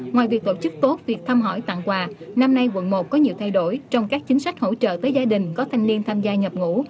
ngoài việc tổ chức tốt việc thăm hỏi tặng quà năm nay quận một có nhiều thay đổi trong các chính sách hỗ trợ tới gia đình có thanh niên tham gia nhập ngũ